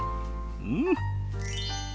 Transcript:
うん！